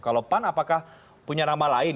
kalau pan apakah punya nama lain